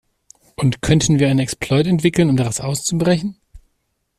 Und könnten wir einen Exploit entwickeln, um daraus auszubrechen?